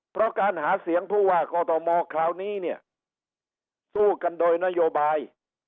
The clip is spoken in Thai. เพราะการหาเสียงผู้ว่ากอทมคราวนี้เนี่ยสู้กันโดยนโยบาย